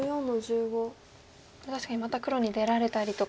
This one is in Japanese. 確かにまた黒に出られたりとかいろいろ。